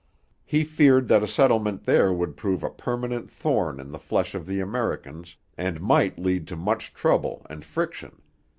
He feared that a settlement there would prove a permanent thorn in the flesh of the Americans, and might lead to much trouble and friction.